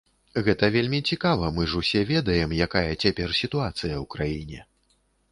Гэта вельмі цікава, мы ж усе ведаем, якая цяпер сітуацыя ў краіне.